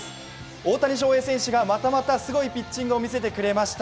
大谷翔平選手がまたまたすごいピッチングを見せてくれました。